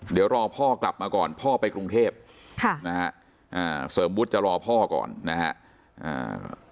เดี๋ยวรอพ่อกลับมาก่อนพ่อไปกรุงเทพค่ะนะฮะเสริมวุฒิจะรอพ่อก่อนนะฮะ